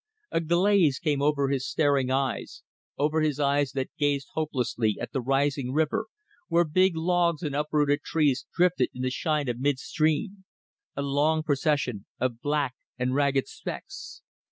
A glaze came over his staring eyes, over his eyes that gazed hopelessly at the rising river where big logs and uprooted trees drifted in the shine of mid stream: a long procession of black and ragged specks.